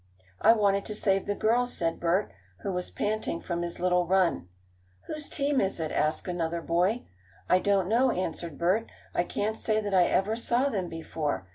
"I wanted to save the girls," said Bert, who was panting from his little run. "Whose team is it?" asked another boy. "I don't know," answered Bert. "I can't say that I ever saw them before.